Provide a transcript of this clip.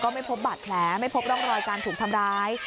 ไม่พบบาดแผลไม่พบร่องรอยการถูกทำร้าย